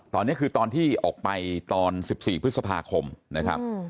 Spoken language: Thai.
ตอนนี้คือตอนที่ออกไปตอน๑๔พฤษภาคมนะครับ